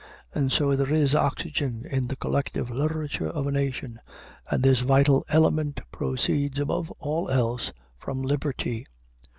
And so there is oxygen in the collective literature of a nation, and this vital element proceeds, above all else, from liberty.